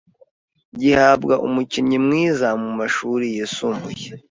gihabwa umukinnyi mwiza mu mashuri yisumbuye